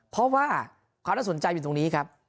เพราะว่าความน่าสนใจอยู่ตรงนี้ครับ